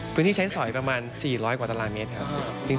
พื้นที่ใช้สอยประมาณ๔๐๐กว่าตารางเมตรครับ